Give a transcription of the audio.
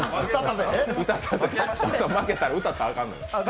負けたら歌ったらあかんのよ。